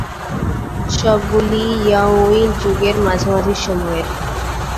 সবগুলিই ইয়াওই যুগের মাঝামাঝি সময়ের।